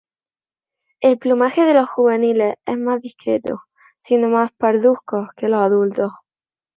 El plumaje de los juveniles es más discreto, siendo más parduzcos que los adultos.